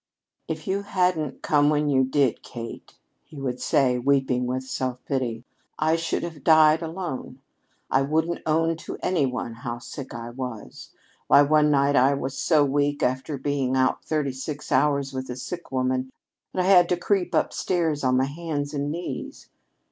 "If you hadn't come when you did, Kate," he would say, weeping with self pity, "I should have died alone. I wouldn't own to any one how sick I was. Why, one night I was so weak, after being out thirty six hours with a sick woman, that I had to creep upstairs on my hands and knees."